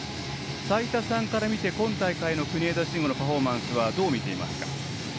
齋田さんから見て、今大会の国枝慎吾のパフォーマンスはどう見ていますか？